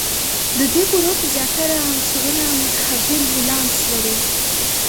د دې ګروپ زیاتره عنصرونه متحول ولانس لري.